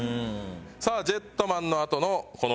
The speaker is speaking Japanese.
さあ『ジェットマン』のあとのこの。